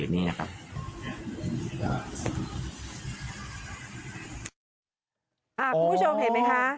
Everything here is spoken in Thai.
คุณผู้ชมเห็นมั้ยคะอ๋อ